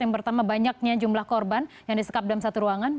yang pertama banyaknya jumlah korban yang disekap dalam satu ruangan